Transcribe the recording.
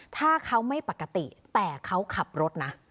ถ้าเขาไม่ปกติแต่เขาขับรถนะ